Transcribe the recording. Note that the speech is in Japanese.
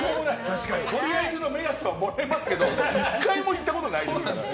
とりあえずの目安はもらえますけど１回もいったことないですから。